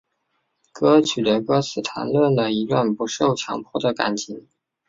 歌曲的歌词谈论了一段不受强迫的感情。